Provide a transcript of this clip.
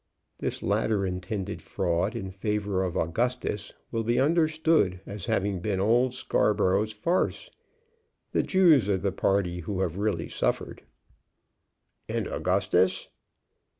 This latter intended fraud in favor of Augustus will be understood as having been old Scarborough's farce. The Jews are the party who have really suffered." "And Augustus?"